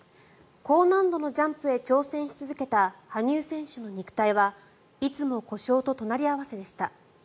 高難度のジャンプへ挑戦し続けた羽生選手の肉体はいつも故障と隣り合わせでした。